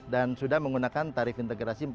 dan sudah menggunakan tarif integrasi